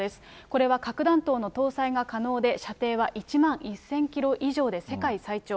これは核弾頭の搭載が可能で、射程は１万１０００キロ以上で世界最長。